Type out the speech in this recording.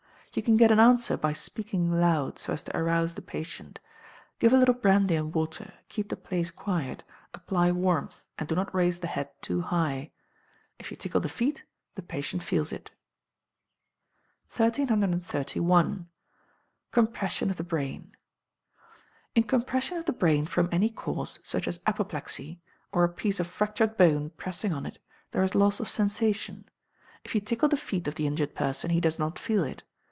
You can get an answer by speaking loud, so as to arouse the patient. Give a little brandy and water, keep the place quiet, apply warmth, and do not raise the head too high. If you tickle the feet, the patient feels it. 1331. Compression of the Brain. In compression of the brain from any cause, such as apoplexy, or a piece of fractured bone pressing on it, there is loss of sensation. If you tickle the feet of the injured person he does not feel it.